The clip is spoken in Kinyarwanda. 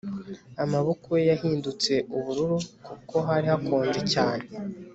Amaboko ye yahindutse ubururu kuko hari hakonje cyane